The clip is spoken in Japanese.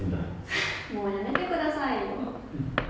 フッもうやめてくださいよ。